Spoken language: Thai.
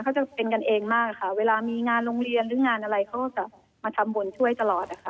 เขาจะเป็นกันเองมากค่ะเวลามีงานโรงเรียนหรืองานอะไรเขาก็จะมาทำบุญช่วยตลอดนะคะ